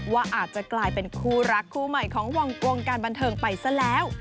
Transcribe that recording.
ว่าอาจจะกลายเป็นคู่รักคู่ใหม่ของวงกวงการบันเทิงไปซะแล้ว